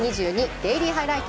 デイリーハイライト」